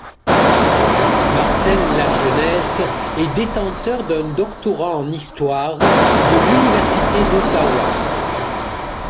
Marcel Lajeunesse est détenteur d'un doctorat en histoire de l'Université d'Ottawa.